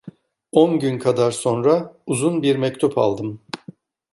On gün kadar sonra uzun bir mektup aldım.